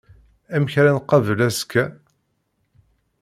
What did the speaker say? Amek ara nqabel azekka.